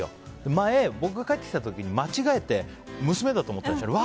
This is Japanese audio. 前、僕が帰ってきた時に間違えて娘だと思ったんでしょうね。